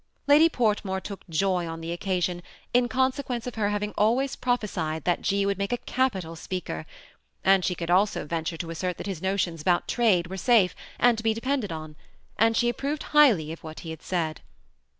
Lady Portmore took joy on the occasion, in consequence of her having al ways prophesied that 6. would make a capital speaker ; and she could also venture to assert that his notions about trade were safe, and to be depended on, and she approved highly of what he had said.